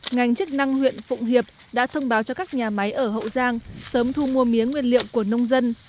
ngành chức năng huyện phụng hiệp đã thông báo cho các nhà máy ở hậu giang sớm thu mua mía nguyên liệu của nông dân